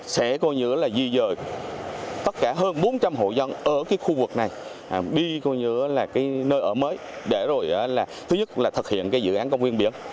sẽ coi như là di rời tất cả hơn bốn trăm linh hộ dân ở khu vực này đi coi như là nơi ở mới để rồi là thứ nhất là thực hiện dự án công viên biển